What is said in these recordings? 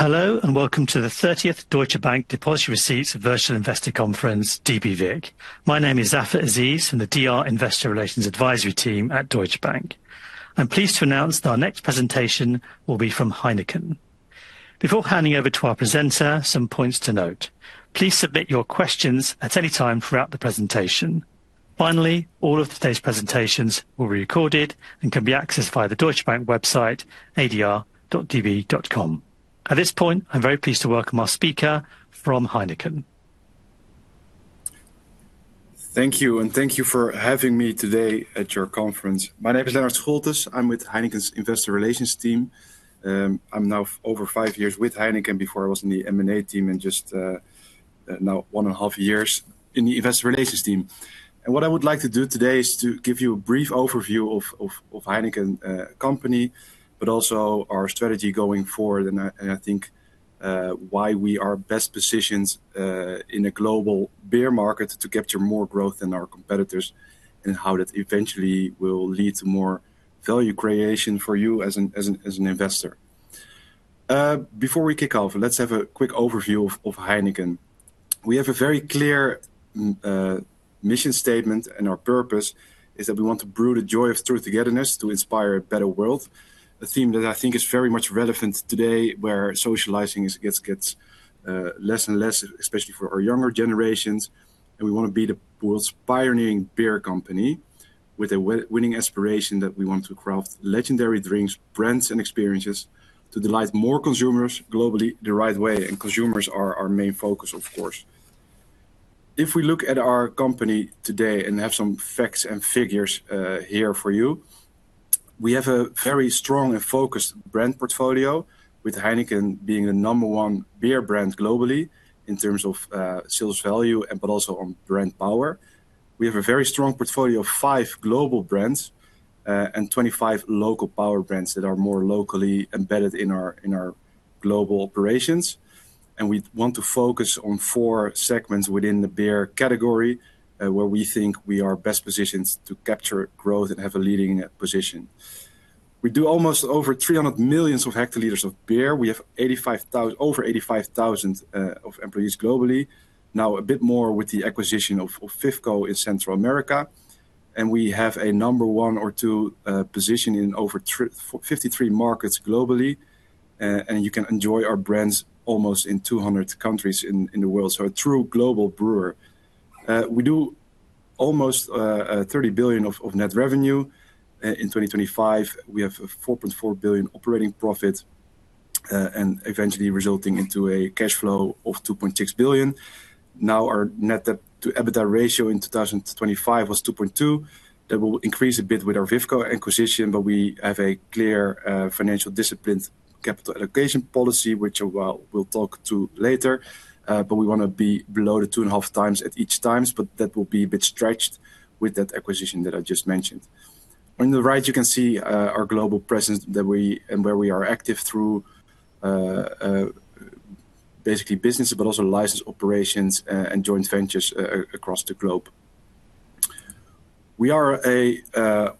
Hello, and welcome to the 30th Deutsche Bank Depositary Receipts Virtual Investor Conference, DBVIC. My name is Zafar Aziz from the DR Investor Relations Advisory Team at Deutsche Bank. I'm pleased to announce our next presentation will be from Heineken. Before handing over to our presenter, some points to note. Please submit your questions at any time throughout the presentation. Finally, all of today's presentations will be recorded and can be accessed via the Deutsche Bank website, adr.db.com. At this point, I'm very pleased to welcome our speaker from Heineken. Thank you, and thank you for having me today at your conference. My name is Lennart Scholtus. I'm with Heineken's Investor Relations team. I'm now over five years with Heineken. Before, I was in the M&A team and just now 1.5 years in the Investor Relations team. What I would like to do today is to give you a brief overview of Heineken company, but also our strategy going forward. I think why we are best positioned in a global beer market to capture more growth than our competitors, and how that eventually will lead to more value creation for you as an investor. Before we kick off, let's have a quick overview of Heineken. We have a very clear mission statement, and our purpose is that we want to brew the joy of true togetherness to inspire a better world. A theme that I think is very much relevant today, where socializing gets less and less, especially for our younger generations. We wanna be the world's pioneering beer company with a winning aspiration that we want to craft legendary drinks, brands, and experiences to delight more consumers globally the right way, and consumers are our main focus, of course. If we look at our company today, and I have some facts and figures here for you, we have a very strong and focused brand portfolio, with Heineken being the number one beer brand globally in terms of sales value, but also on brand power. We have a very strong portfolio of five global brands, and 25 local power brands that are more locally embedded in our global operations. We want to focus on four segments within the beer category, where we think we are best positioned to capture growth and have a leading position. We do almost over 300 million hectoliters of beer. We have over 85,000 employees globally. Now a bit more with the acquisition of FIFCO in Central America, we have a number one or two position in over 53 markets globally. You can enjoy our brands almost in 200 countries in the world, so a true global brewer. We do almost 30 billion of net revenue. In 2025, we have a 4.4 billion operating profit, and eventually resulting into a cash flow of 2.6 billion. Our net debt to EBITDA ratio in 2025 was 2.2x. That will increase a bit with our FIFCO acquisition, but we have a clear financial discipline capital allocation policy, which I will talk to later. We wanna be below the 2.5x at each times, but that will be a bit stretched with that acquisition that I just mentioned. On the right, you can see our global presence that we and where we are active through basically business, but also licensed operations, and joint ventures across the globe. We are a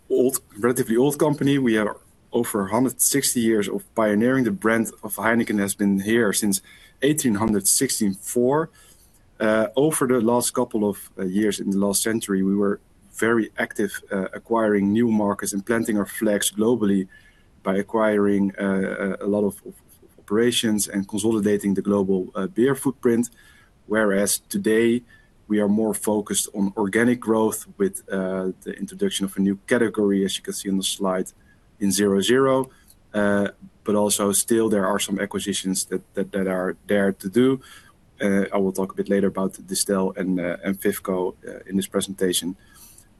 old, relatively old company. We have over 160 years of pioneering. The brand of Heineken has been here since 1864. Over the last couple of years in the last century, we were very active acquiring new markets and planting our flags globally by acquiring a lot of operations and consolidating the global beer footprint. Whereas today, we are more focused on organic growth with the introduction of a new category, as you can see on the slide, in 0.0. Also still there are some acquisitions that are there to do. I will talk a bit later about Distell and FIFCO in this presentation.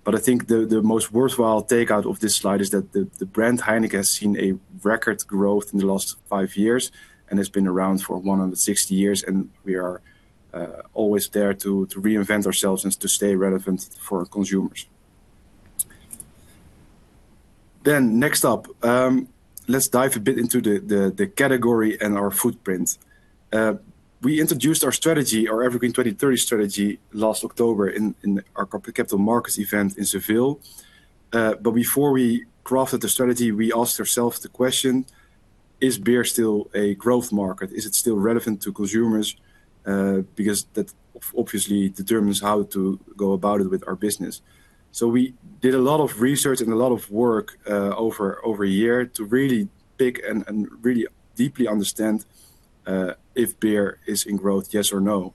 I think the most worthwhile takeout of this slide is that the brand Heineken has seen a record growth in the last five years and has been around for 160 years, and we are always there to reinvent ourselves and to stay relevant for our consumers. Next up, let's dive a bit into the category and our footprint. We introduced our strategy, our EverGreen 2030 strategy, last October in our capital markets event in Seville. Before we crafted the strategy, we asked ourselves the question: Is beer still a growth market? Is it still relevant to consumers? Because that obviously determines how to go about it with our business. We did a lot of research and a lot of work over a year to really pick and really deeply understand if beer is in growth, yes or no.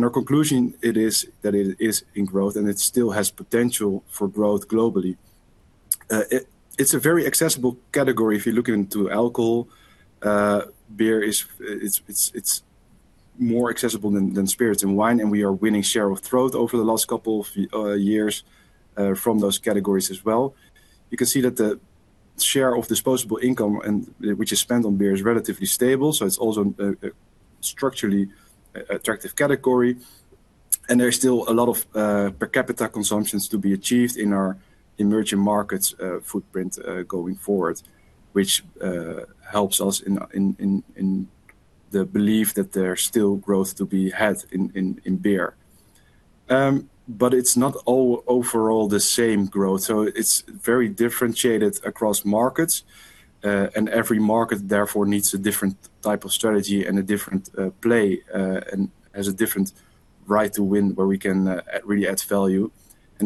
Our conclusion it is that it is in growth, and it still has potential for growth globally. It's a very accessible category. If you look into alcohol, beer is more accessible than spirits and wine, and we are winning share of throat over the last couple of years from those categories as well. You can see that the share of disposable income which is spent on beer is relatively stable, so it's also structurally an attractive category. There's still a lot of per capita consumptions to be achieved in our emerging markets footprint going forward, which helps us in the belief that there's still growth to be had in beer. It's not overall the same growth. It's very differentiated across markets, and every market therefore needs a different type of strategy and a different play, and has a different right to win where we can really add value.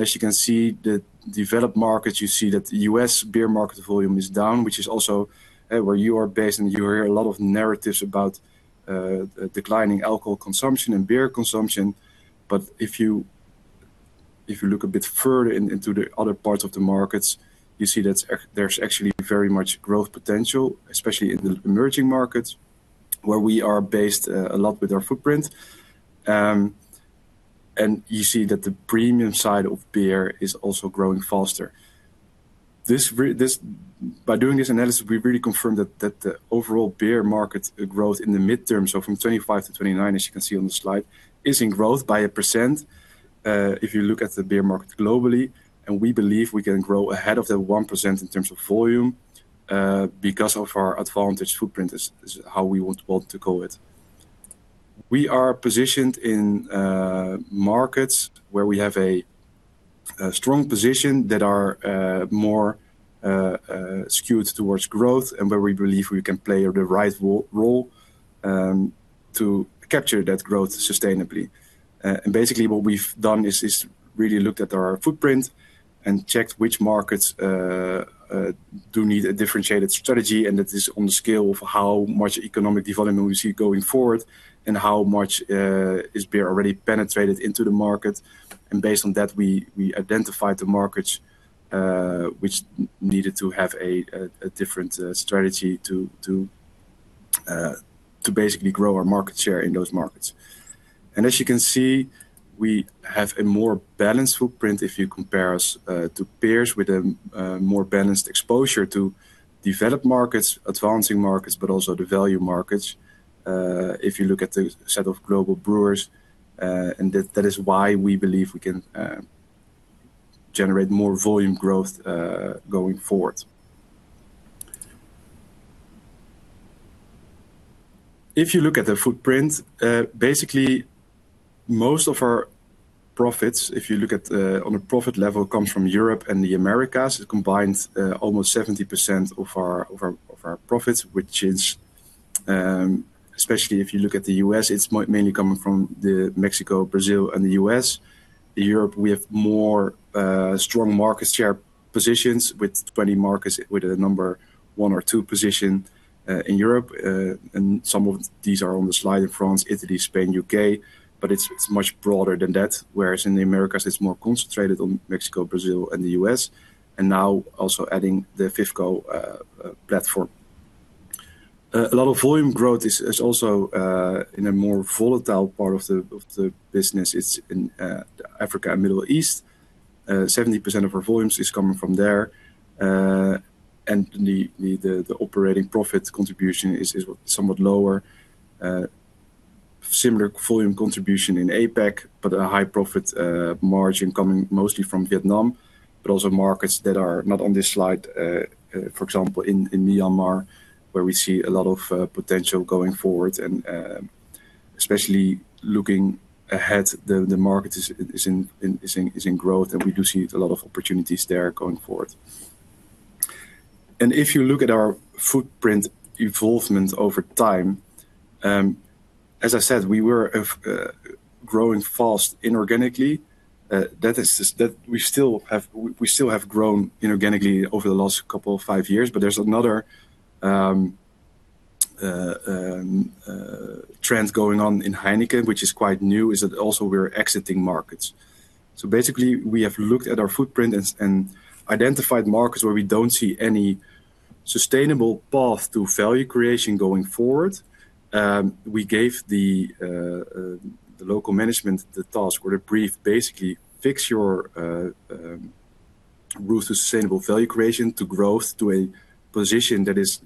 As you can see, the developed markets, you see that the U.S. beer market volume is down, which is also where you are based, and you hear a lot of narratives about declining alcohol consumption and beer consumption. If you, if you look a bit further in, into the other parts of the markets, you see that there's actually very much growth potential, especially in the emerging markets where we are based a lot with our footprint. You see that the premium side of beer is also growing faster. By doing this analysis, we really confirmed that the overall beer market growth in the midterm, so from 2025 to 2029, as you can see on the slide, is in growth by 1% if you look at the beer market globally. We believe we can grow ahead of the 1% in terms of volume because of our advantage footprint is how we want to call it. We are positioned in markets where we have a strong position that are more skewed towards growth and where we believe we can play the right role to capture that growth sustainably. Basically what we've done is really looked at our footprint and checked which markets do need a differentiated strategy, and that is on the scale of how much economic development we see going forward and how much is beer already penetrated into the market. Based on that, we identified the markets which needed to have a different strategy to basically grow our market share in those markets. As you can see, we have a more balanced footprint if you compare us to peers with a more balanced exposure to developed markets, advancing markets, but also the value markets, if you look at the set of global brewers, and that is why we believe we can generate more volume growth going forward. If you look at the footprint, basically most of our profits, if you look at on a profit level, comes from Europe and the Americas. It combines almost 70% of our profits, which is, especially if you look at the U.S., it's mainly coming from Mexico, Brazil and the U.S. Europe, we have more strong market share positions with 20 markets with a number one or two position in Europe. Some of these are on the slide in France, Italy, Spain, U.K., but it's much broader than that. In the Americas, it's more concentrated on Mexico, Brazil and the U.S., and now also adding the FIFCO platform. A lot of volume growth is also in a more volatile part of the business. It's in Africa and Middle East. 70% of our volumes is coming from there. The operating profit contribution is somewhat lower. Similar volume contribution in APAC, a high profit margin coming mostly from Vietnam, also markets that are not on this slide. For example, in Myanmar, where we see a lot of potential going forward and especially looking ahead, the market is in growth, and we do see a lot of opportunities there going forward. If you look at our footprint involvement over time, as I said, we were growing fast inorganically. That we still have grown inorganically over the last couple of five years. There's another trend going on in Heineken, which is quite new, is that also we're exiting markets. Basically, we have looked at our footprint and identified markets where we don't see any sustainable path to value creation going forward. We gave the local management the task or the brief, basically, "Fix your route to sustainable value creation to growth to a position that is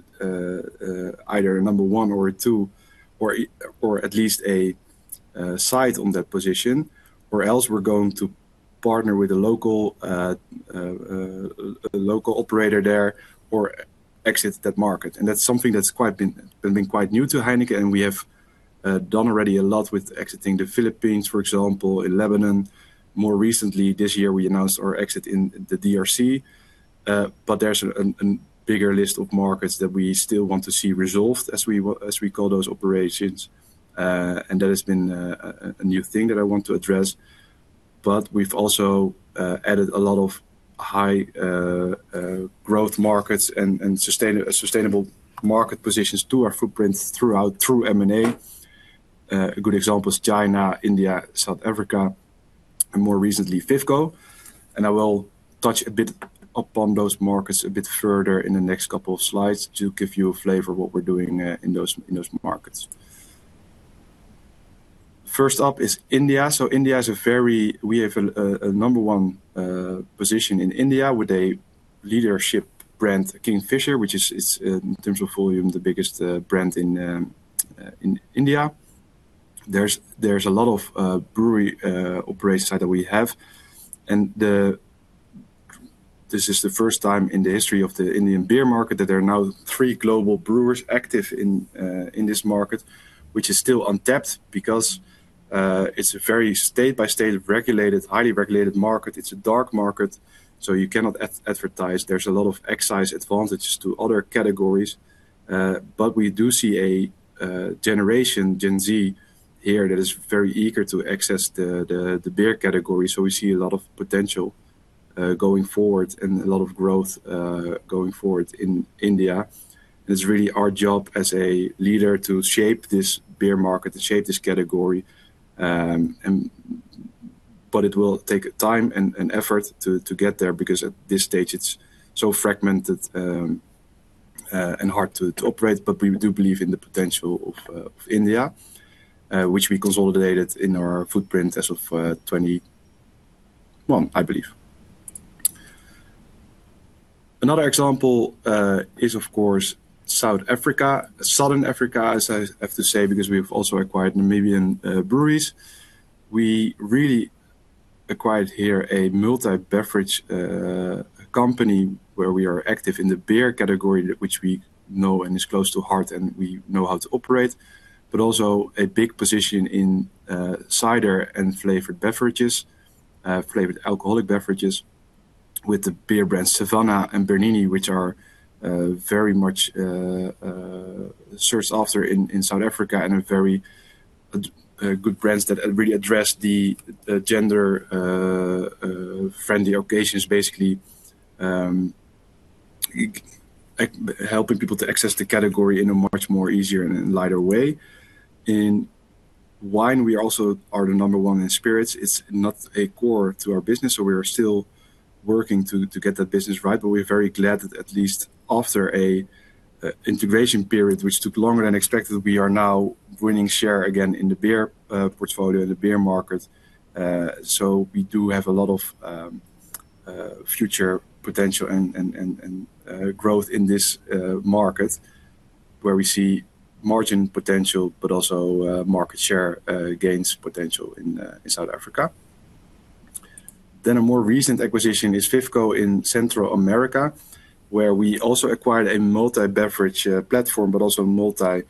either a number one or a two, or at least a sight on that position, or else we're going to partner with a local operator there or exit that market." That's something that's quite new to Heineken, and we have done already a lot with exiting the Philippines, for example, in Lebanon. More recently this year, we announced our exit in the DRC. But there's a bigger list of markets that we still want to see resolved as we call those operations. That has been a new thing that I want to address. We've also added a lot of high growth markets and sustainable market positions to our footprint throughout, through M&A. A good example is China, India, South Africa, and more recently, FIFCO. I will touch a bit upon those markets a bit further in the next couple of slides to give you a flavor of what we're doing in those markets. First up is India. India is a very. We have a number one position in India with a leadership brand, Kingfisher, which is in terms of volume, the biggest brand in India. There's a lot of brewery operation side that we have. This is the first time in the history of the Indian beer market that there are now three global brewers active in this market, which is still untapped because it's a very state-by-state regulated, highly regulated market. It's a dark market, so you cannot advertise. There's a lot of excise advantages to other categories. We do see a generation, Gen Z, here that is very eager to access the beer category. We see a lot of potential going forward and a lot of growth going forward in India. It's really our job as a leader to shape this beer market, to shape this category. It will take time and effort to get there because at this stage it's so fragmented and hard to operate. We do believe in the potential of India, which we consolidated in our footprint as of 2021, I believe. Another example is of course South Africa. Southern Africa, as I have to say because we've also acquired Namibia breweries. We really acquired here a multi-beverage company where we are active in the beer category, which we know and is close to heart, and we know how to operate. Also a big position in cider and flavored beverages, flavored alcoholic beverages with the beer brands Savanna and Bernini, which are very much sourced after in South Africa, and are very good brands that really address the gender friendly occasions, basically, helping people to access the category in a much more easier and lighter way. In wine, we also are the number one in spirits. It's not a core to our business, so we are still working to get that business right. We're very glad that at least after an integration period, which took longer than expected, we are now winning share again in the beer portfolio, in the beer market. We do have a lot of future potential and growth in this market where we see margin potential but also market share gains potential in South Africa. A more recent acquisition is FIFCO in Central America, where we also acquired a multi-beverage platform, but also multi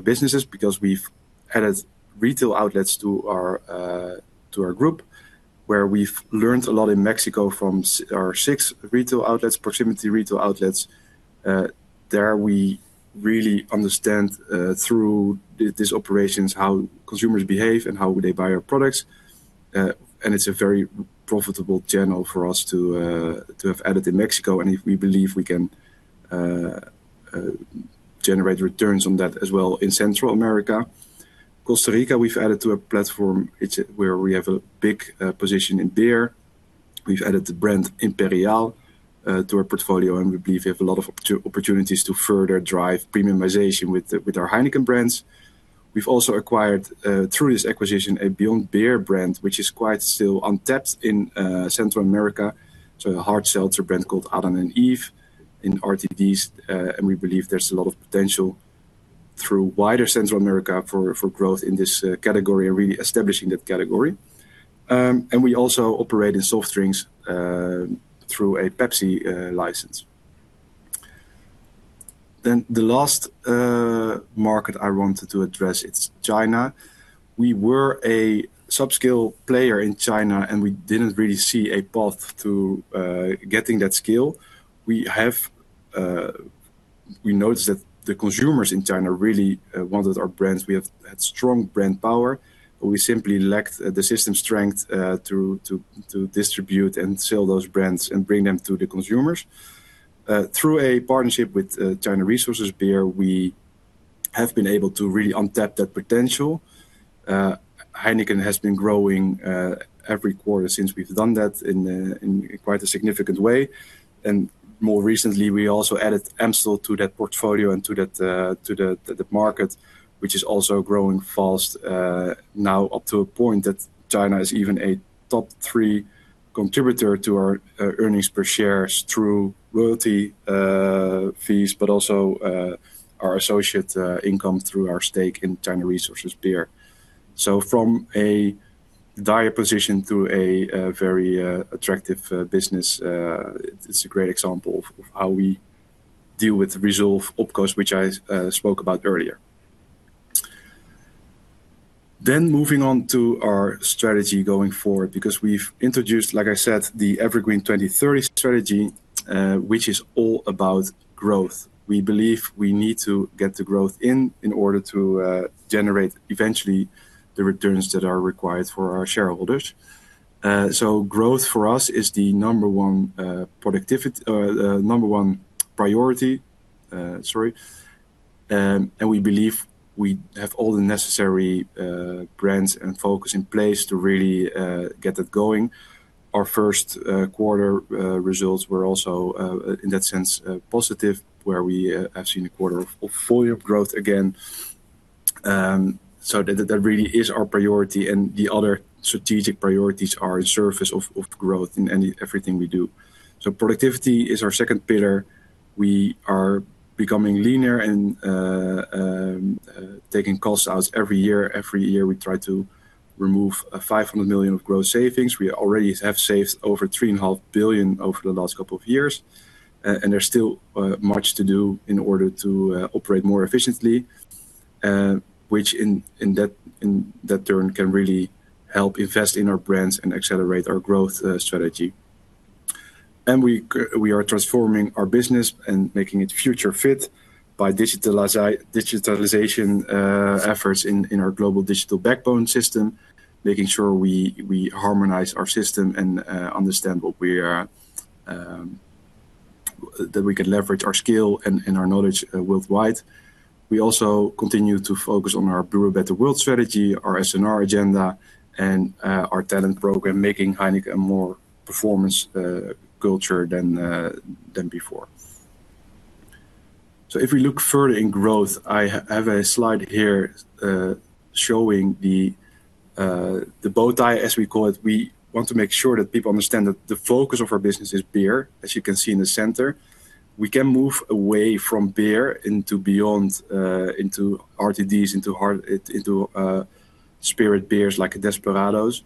businesses because we've added retail outlets to our group, where we've learned a lot in Mexico from our six retail outlets, proximity retail outlets. There we really understand through these operations how consumers behave and how would they buy our products. It's a very profitable channel for us to have added in Mexico. If we believe we can generate returns on that as well in Central America. Costa Rica, we've added to a platform. It's where we have a big position in beer. We've added the brand Imperial to our portfolio, and we believe we have a lot of opportunities to further drive premiumization with our Heineken brands. We've also acquired, through this acquisition, a beyond beer brand, which is quite still untapped in Central America. A hard seltzer brand called Adán & Eva in RTDs. We believe there's a lot of potential through wider Central America for growth in this category and really establishing that category. We also operate in soft drinks through a Pepsi license. The last market I wanted to address, it's China. We were a subscale player in China, and we didn't really see a path to getting that scale. We noticed that the consumers in China really wanted our brands. We have had strong brand power, but we simply lacked the system strength to distribute and sell those brands and bring them to the consumers. Through a partnership with China Resources Beer, we have been able to really untap that potential. Heineken has been growing every quarter since we've done that in quite a significant way. More recently, we also added Amstel to that portfolio and to that, to the market, which is also growing fast, now up to a point that China is even a top three contributor to our earnings per shares through royalty fees, but also our associate income through our stake in China Resources Beer. From a dire position to a very attractive business, it's a great example of how we deal with the resolve OpCos, which I spoke about earlier. Moving on to our strategy going forward, because we've introduced, like I said, the EverGreen 2030 strategy, which is all about growth. We believe we need to get the growth in order to generate eventually the returns that are required for our shareholders. Growth for us is the number one priority. We believe we have all the necessary brands and focus in place to really get that going. Our first quarter results were also in that sense positive, where we have seen a quarter of full year growth again. That really is our priority. The other strategic priorities are in service of growth in everything we do. Productivity is our second pillar. We are becoming leaner and taking costs out every year. Every year we try to remove 500 million of gross savings. We already have saved over 3.5 billion over the last couple of years. There's still much to do in order to operate more efficiently, which in that turn can really help invest in our brands and accelerate our growth strategy. We are transforming our business and making it future fit by digitalization efforts in our global digital backbone system, making sure we harmonize our system and understand what we are, that we can leverage our skill and our knowledge worldwide. We also continue to focus on our Brew a Better World strategy, our S&R agenda, and our talent program, making Heineken a more performance culture than before. If we look further in growth, I have a slide here, showing the bow tie, as we call it. We want to make sure that people understand that the focus of our business is beer, as you can see in the center. We can move away from beer into beyond, into RTDs, into spirit beers like Desperados.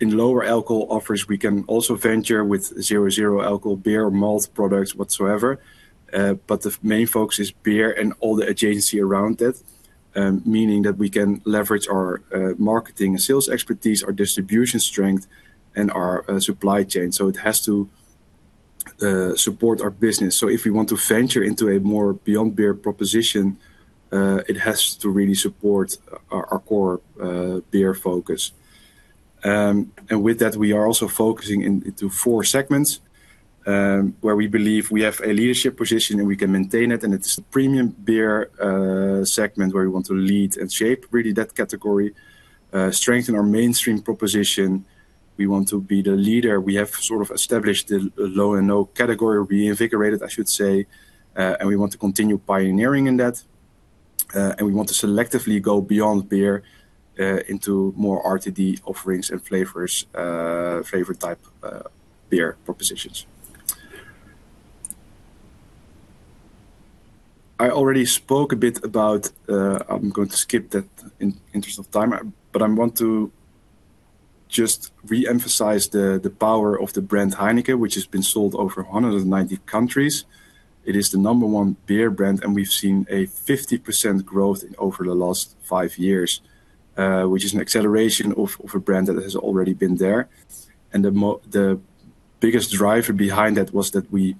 In lower alcohol offers, we can also venture with 0.0 alcohol beer, malt products, whatsoever. But the main focus is beer and all the adjacency around it, meaning that we can leverage our marketing and sales expertise, our distribution strength and our supply chain. It has to support our business. If we want to venture into a more beyond beer proposition, it has to really support our core beer focus. With that, we are also focusing into four segments where we believe we have a leadership position and we can maintain it, and it's the premium beer segment where we want to lead and shape really that category, strengthen our mainstream proposition. We want to be the leader. We have sort of established the low and no category, or reinvigorated, I should say. We want to continue pioneering in that, we want to selectively go beyond beer into more RTD offerings and flavors, flavor type beer propositions. I already spoke a bit about, I'm going to skip that in interest of time, but I want to just reemphasize the power of the brand Heineken, which has been sold over 190 countries. It is the number one beer brand, and we've seen a 50% growth over the last five years, which is an acceleration of a brand that has already been there. The biggest driver behind that was that we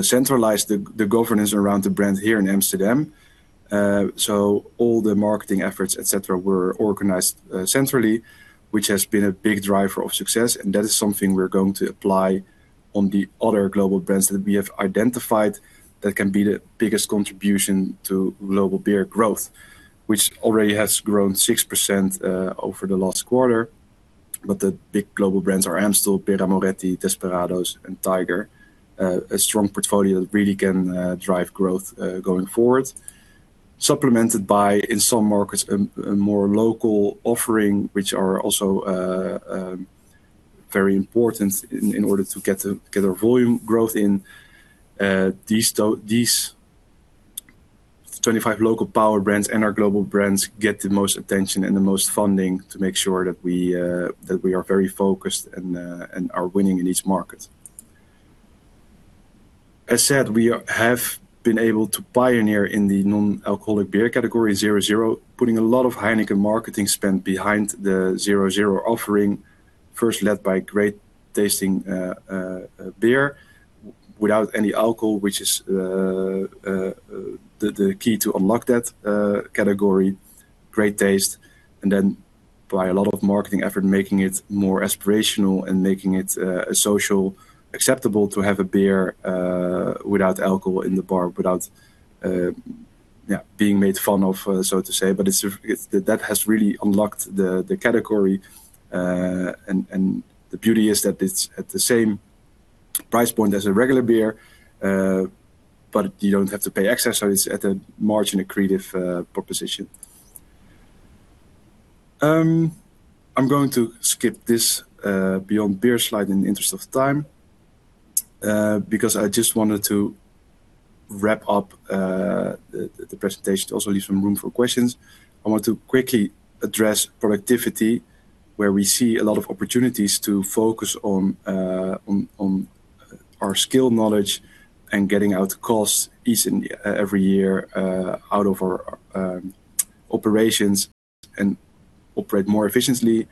centralized the governance around the brand here in Amsterdam. All the marketing efforts, et cetera, were organized centrally, which has been a big driver of success, and that is something we're going to apply on the other global brands that we have identified that can be the biggest contribution to global beer growth, which already has grown 6% over the last quarter. The big global brands are Amstel, Birra Moretti, Desperados and Tiger. A strong portfolio really can drive growth going forward. Supplemented by, in some markets, a more local offering, which are also very important in order to get the volume growth in these 25 local power brands and our global brands get the most attention and the most funding to make sure that we are very focused and are winning in each market. As said, we have been able to pioneer in the non-alcoholic beer category, 0.0, putting a lot of Heineken marketing spend behind the 0.0 offering. First led by great tasting beer without any alcohol, which is the key to unlock that category. Great taste, and then by a lot of marketing effort, making it more aspirational and making it a social acceptable to have a beer without alcohol in the bar, without yeah, being made fun of, so to say. That has really unlocked the category. The beauty is that it's at the same price point as a regular beer, but you don't have to pay extra, so it's at a margin accretive proposition. I'm going to skip this beyond beer slide in the interest of time, because I just wanted to wrap up the presentation, also leave some room for questions. I want to quickly address productivity, where we see a lot of opportunities to focus on our skill knowledge and getting out costs each and every year out of our operations and operate more efficiently.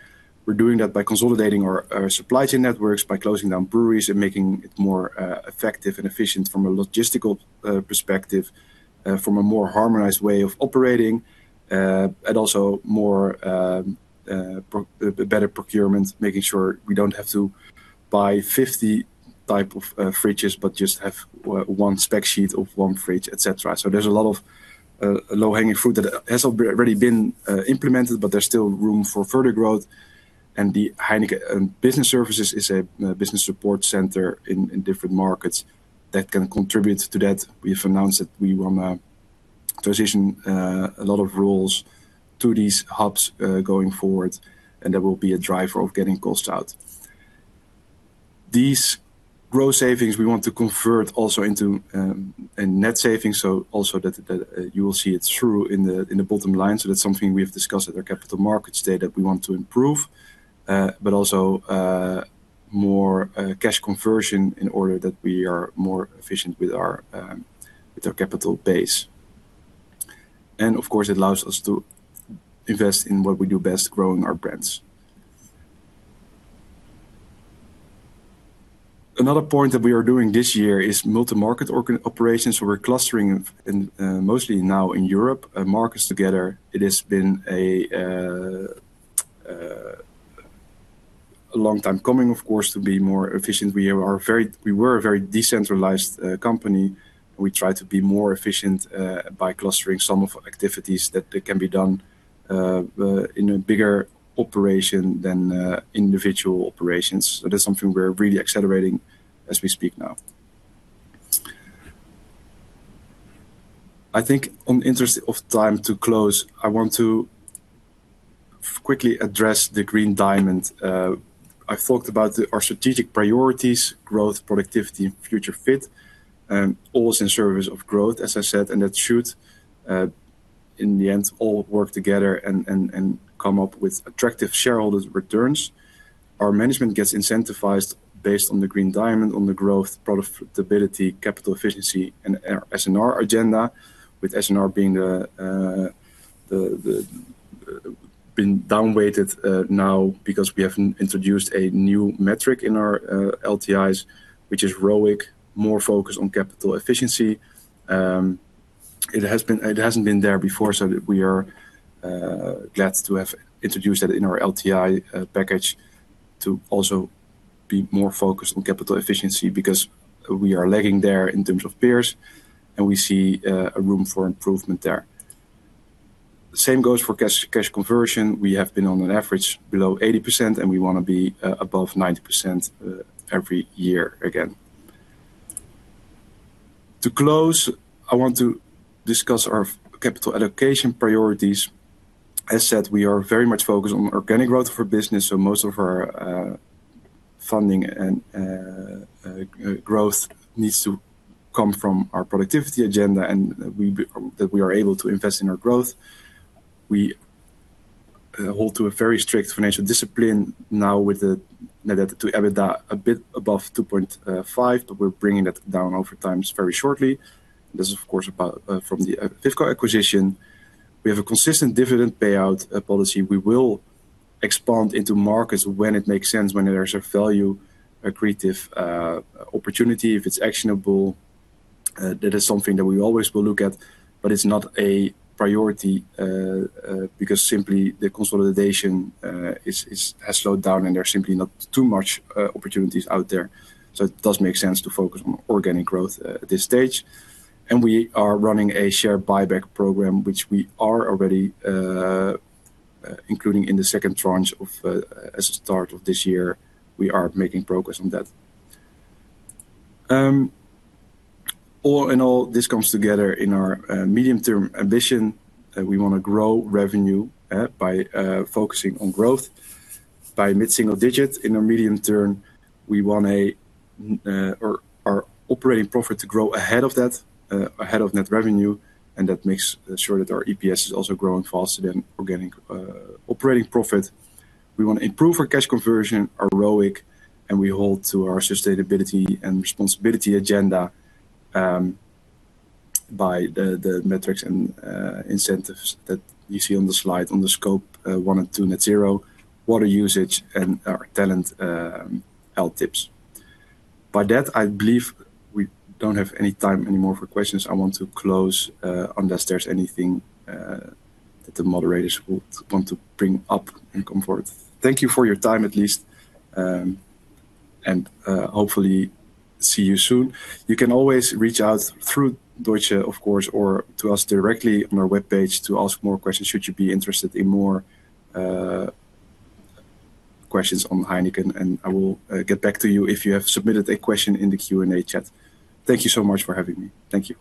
We're doing that by consolidating our supply chain networks, by closing down breweries and making it more effective and efficient from a logistical perspective, from a more harmonized way of operating, and also more better procurement, making sure we don't have to buy 50 type of fridges, but just have one spec sheet of one fridge, et cetera. There's a lot of low-hanging fruit that has already been implemented, but there's still room for further growth. The Heineken Business Services is a business support center in different markets that can contribute to that. We've announced that we want to transition a lot of roles to these hubs going forward, and that will be a driver of getting costs out. These growth savings we want to convert also into a net savings, so also that you will see it through in the bottom line. That's something we have discussed at our Capital Markets Day that we want to improve, but also more cash conversion in order that we are more efficient with our capital base. Of course, it allows us to invest in what we do best, growing our brands. Another point that we are doing this year is multi-market operations. We're clustering in, mostly now in Europe, markets together. It has been a long time coming, of course, to be more efficient. We were a very decentralized company. We try to be more efficient by clustering some of our activities that can be done in a bigger operation than individual operations. That's something we're really accelerating as we speak now. I think in interest of time to close, I want to quickly address the Green Diamond. I talked about our strategic priorities, growth, productivity, and future fit, always in service of growth, as I said, and that should in the end, all work together and come up with attractive shareholder returns. Our management gets incentivized based on the Green Diamond, on the growth, profitability, capital efficiency, and S&R agenda, with S&R being the down-weighted now because we have introduced a new metric in our LTIs, which is ROIC, more focused on capital efficiency. It hasn't been there before, so we are glad to have introduced that in our LTI package to also be more focused on capital efficiency because we are lagging there in terms of peers, and we see a room for improvement there. Same goes for cash conversion. We have been on an average below 80%, and we wanna be above 90% every year again. To close, I want to discuss our capital allocation priorities. As said, we are very much focused on organic growth for business. Most of our funding and growth needs to come from our productivity agenda, that we are able to invest in our growth. We hold to a very strict financial discipline now with the net debt-to-EBITDA a bit above 2.5x. We're bringing that down over times very shortly. This is of course about from the FIFCO acquisition. We have a consistent dividend payout policy. We will expand into markets when it makes sense, when there's a value accretive opportunity. If it's actionable, that is something that we always will look at. It's not a priority because simply the consolidation has slowed down. There's simply not too much opportunities out there. It does make sense to focus on organic growth at this stage. We are running a share buyback program, which we are already including in the second tranche of as a start of this year. We are making progress on that. All in all, this comes together in our medium-term ambition, that we wanna grow revenue by focusing on growth. By mid-single digits in our medium term, we want our operating profit to grow ahead of that ahead of net revenue, and that makes sure that our EPS is also growing faster than organic operating profit. We want to improve our cash conversion, our ROIC, and we hold to our sustainability and responsibility agenda by the metrics and incentives that you see on the slide on the scope one and two net zero, water usage, and our talent LTIP. I believe we don't have any time anymore for questions. I want to close unless there's anything that the moderators would want to bring up and come forward. Thank you for your time, at least, and hopefully see you soon. You can always reach out through Deutsche, of course, or to us directly on our webpage to ask more questions should you be interested in more questions on Heineken, and I will get back to you if you have submitted a question in the Q&A chat. Thank you so much for having me. Thank you.